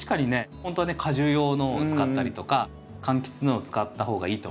本当は果樹用のを使ったりとか柑橘のを使った方がいいと。